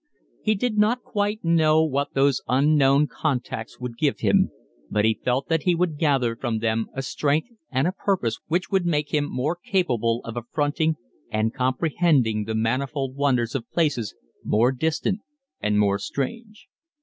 He did not know quite what those unknown contacts would give him, but he felt that he would gather from them a strength and a purpose which would make him more capable of affronting and comprehending the manifold wonders of places more distant and more strange.